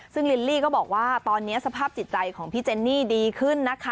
ซึ่งลิลลี่ก็บอกว่าตอนนี้สภาพจิตใจของพี่เจนนี่ดีขึ้นนะคะ